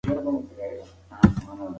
بښنه غواړم که موضوع لږه اوږده شوې وي.